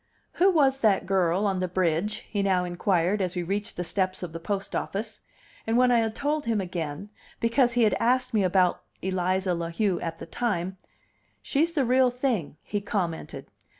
"Who was that girl on the bridge?" he now inquired as we reached the steps of the post office; and when I had told him again, because he had asked me about Eliza La Heu at the time, "She's the real thing," he commented.